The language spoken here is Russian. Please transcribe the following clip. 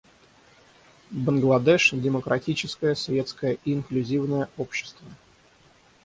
Бангладеш — демократическое, светское и инклюзивное общество.